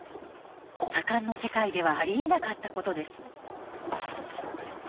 左官の世界ではありえなかったことです。